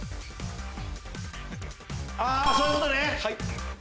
そういうことね！